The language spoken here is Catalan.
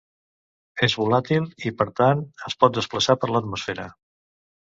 És volàtil i, per tant, es pot desplaçar per l'atmosfera.